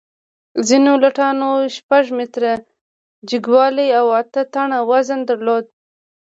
ځینو لټانو شپږ متره جګوالی او اته ټنه وزن درلود.